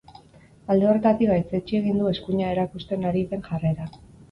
Alde horretatik gaitzetsi egin du eskuina erakusten ari den jarrera.